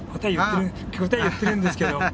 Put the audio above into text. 答え言ってるんですけど。